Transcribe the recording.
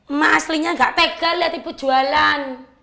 emak aslinya gak tegar liat ibu jualan